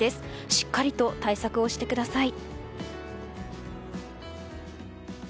しっかりと対策をしてください。